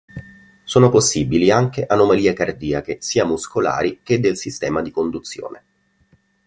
Sono possibili anche anomalie cardiache, sia muscolari che del sistema di conduzione.